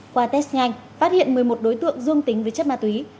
qua test nhanh phát hiện một mươi một đối tượng dương tính với chất ma túy